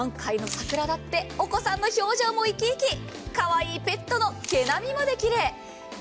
満開の桜だって、お子さんの表情も生き生き、かわいいペットの毛並みまできれい。